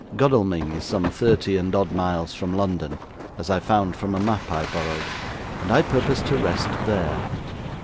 Godalming is some thirty and odd miles from London as I found from a map I borrowed and I purpose to rest there.